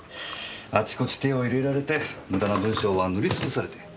あちこち手を入れられて無駄な文章は塗りつぶされて。